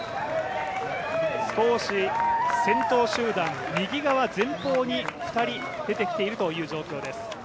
少し先頭集団、右側前方に２人出てきているという状況です。